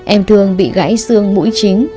em thương bị gãy xương mũi chính